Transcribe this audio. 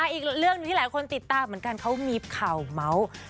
อีกเรื่องหนึ่งที่หลายคนติดตามเหมือนกันเขามีข่าวเมาส์